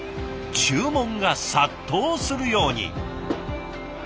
注文が殺到するように。